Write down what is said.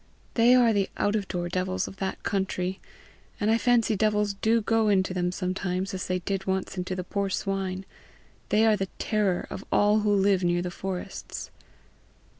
They are the out of door devils of that country, and I fancy devils do go into them sometimes, as they did once into the poor swine: they are the terror of all who live near the forests.